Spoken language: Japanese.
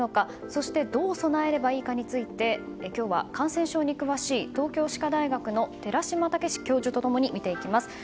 そして、どう備えればいいかについて今日は感染症に詳しい東京歯科大学の寺嶋毅教授と見ていきます。